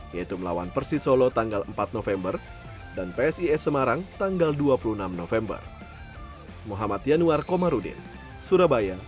yaitu melawan persisolo tanggal empat november dan psis semarang tanggal dua puluh enam november